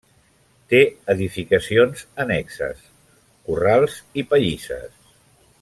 Té edificacions annexes: corrals i pallisses.